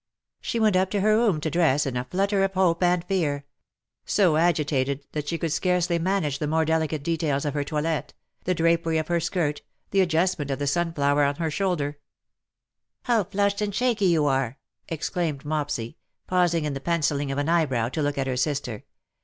She went up to her room to dress in a flutter of hope and fear; so agitated, that she could scarcely manage the more delicate details of her toilet — the drapery of her skirt, the adjustment of the sun flower on her shoulder^ " How flushed and shaky you are,"' exclaimed Mopsy, pausing in the pencilling of an eyebrow to look at her sister.